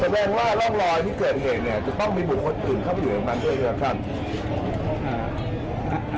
แสดงว่าร่องรอยที่เกิดเหตุเนี่ยจะต้องมีบุคคลอื่นเข้าไปอยู่ในนั้นด้วยใช่ไหมครับท่าน